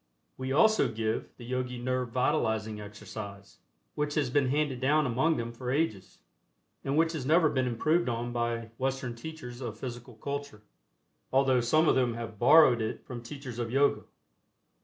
We also give the Yogi Nerve Vitalizing Exercise, which has been handed down among them for ages, and which has never been improved on by Western teachers of Physical Culture, although some of them have "borrowed" it from teachers of Yoga.